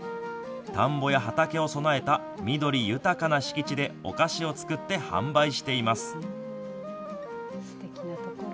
田んぼや畑を備えた緑豊かな敷地でお菓子を作って販売しています。